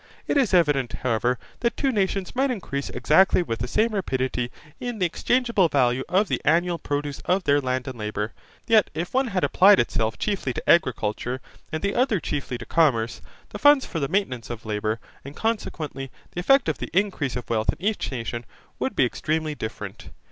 It is evident, however, that two nations might increase exactly with the same rapidity in the exchangeable value of the annual produce of their land and labour, yet if one had applied itself chiefly to agriculture, and the other chiefly to commerce, the funds for the maintenance of labour, and consequently the effect of the increase of wealth in each nation, would be extremely different.